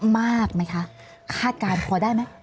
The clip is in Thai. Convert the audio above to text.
มากมั้ยคะคาดการณ์พอได้มั้ย